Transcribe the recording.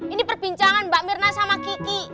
ini perbincangan mbak mirna sama ki ki